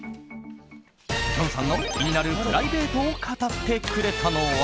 きょんさんの気になるプライベートを語ってくれたのは。